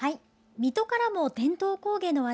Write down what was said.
水戸からも伝統工芸の話題。